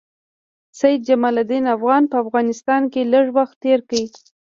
سید جمال الدین افغاني په افغانستان کې لږ وخت تېر کړی.